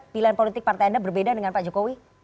pilihan politik partai anda berbeda dengan pak jokowi